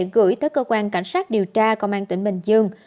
gửi tới cơ quan cảnh sát điều tra công an tỉnh bình dương